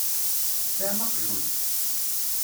Tesɛam aqjun?